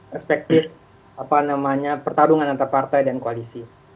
perspektif pertarungan antar partai dan koalisi